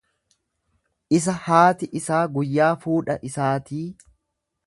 isa haati isaa guyyaa fuudha isaatii,